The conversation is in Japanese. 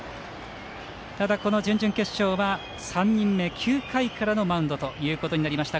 ただ、準々決勝は３人目９回からのマウンドということになりました。